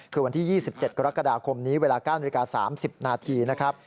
คือวันที่๒๗กรกฎาคมนี้เวลา๙นาฬิกา๓๐นาทีนะครับ